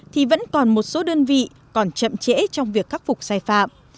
thì vẫn còn một số đơn vị còn chậm trễ trong việc khắc phục sai phạm